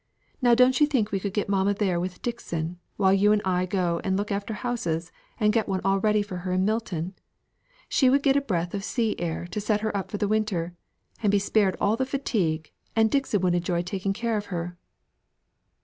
Now, don't you think we could get mamma there with Dixon, while you and I go and look at houses, and get one all ready for her in Milton? She would get a breath of sea air to set her up for the winter, and be spared all the fatigue, and Dixon would enjoy taking care of her."